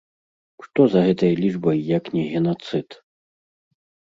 Што за гэтай лічбай, як не генацыд?